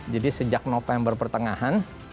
jadi sejak november pertengahan